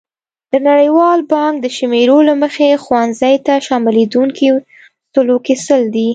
د نړیوال بانک د شمېرو له مخې ښوونځیو ته شاملېدونکي سلو کې سل دي.